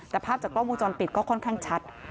แต่ภาพจากกล้องวงจรปิดก็ค่อนข้างชัด